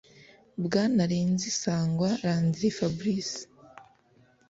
bwana renzi sangwa landry fabrice